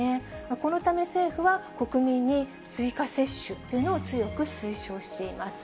このため、政府は国民に追加接種というのを強く推奨しています。